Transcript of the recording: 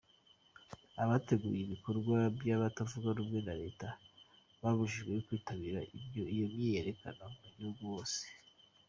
Abategura ibikorwa vy'abatavuga rumwe na leta babujijwe kwitabira iyo myiyerekano mu gihugu bose.